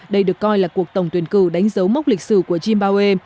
đây được coi là cuộc tổng tuyển cử đánh dấu mốc lịch sử của zimbawe